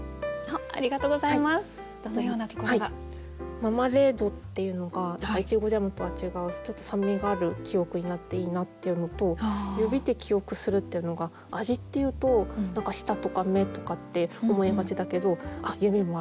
「ママレード」っていうのがやっぱりイチゴジャムとは違うちょっと酸味がある記憶になっていいなっていうのと「指で記憶する」っていうのが味っていうと何か舌とか目とかって思いがちだけど指もある。